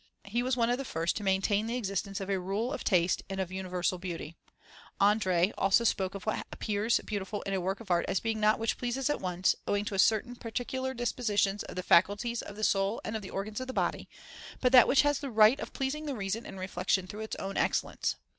He was one of the first to maintain the existence of a rule of taste and of universal beauty. André also spoke of what appears beautiful in a work of art as being not that which pleases at once, owing to certain particular dispositions of the faculties of the soul and of the organs of the body, but that which has the right of pleasing the reason and reflection through its own excellence.